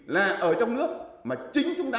là ở trong nước mà chính chúng ta